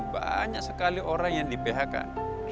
banyak sekali orang yang tidak bisa membeli pajak